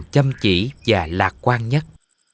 chăm chỉ và lạc quan nhất